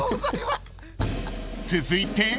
［続いて］